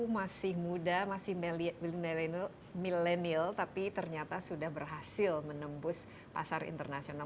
masih muda masih milenial tapi ternyata sudah berhasil menembus pasar internasional